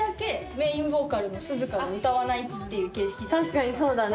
確かにそうだね。